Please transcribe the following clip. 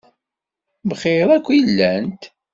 Bxiṛ akk i llant.